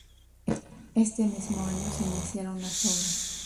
Este mismo año se iniciaron las obras.